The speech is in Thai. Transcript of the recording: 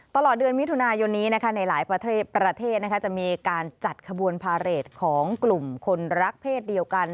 ตลอดเดือนมิถุนายนนี้ในหลายประเทศประเทศจะมีการจัดขบวนพาเรทของกลุ่มคนรักเพศเดียวกัน